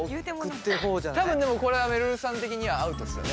多分でもこれはめるるさん的にはアウトですよね？